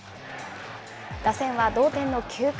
打線は同点の９回。